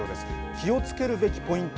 気をつけるべきポイント